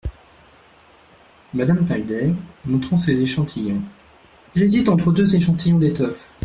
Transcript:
Madame Pinglet , montrant ses échantillons. — J’hésite entre deux échantillons d’étoffes !